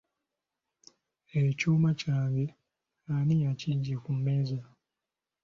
Ekyuma kyange ani akiggye ku mmeeza?